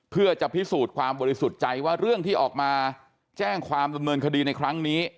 เพื่อจะพิสูจน์ความบริสุทธิ์ใจว่าเรื่องที่ออกมาแจ้งความดำเนินคดีในครั้งนี้